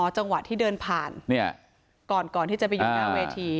จังหวะที่เดินผ่านก่อนที่จะไปอยู่หน้าเวที